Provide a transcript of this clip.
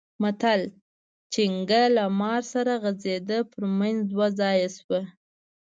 متل؛ چينګه له مار سره غځېده؛ پر منځ دوه ځايه شوه.